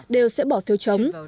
đều sẽ bỏ phiếu chống